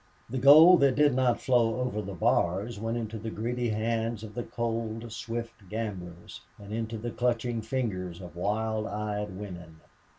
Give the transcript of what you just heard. The gold that did not flow over the bars went into the greedy hands of the cold, swift gamblers or into the clutching fingers of wild eyed women.